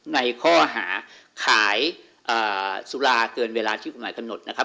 ในข้อหาขายสุราเกินเวลาที่กฎหมายกำหนดนะครับ